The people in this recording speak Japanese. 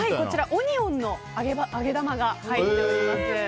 オニオンの揚げ玉が入っております。